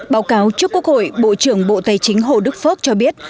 báo cáo trước quốc hội bộ trưởng bộ tài chính hồ đức phước cho biết